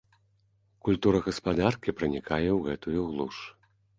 Культура гаспадаркі пранікае ў гэтую глуш.